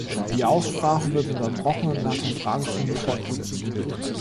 Die Aussprache wird unterbrochen und nach der Fragestunde fortgesetzt.